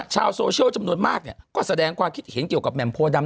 ชาวโซเชียลจำนวนมากเนี่ยก็แสดงความคิดเห็นเกี่ยวกับแหม่มโพดำ